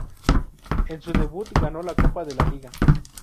En su debut ganó la Copa de la Liga.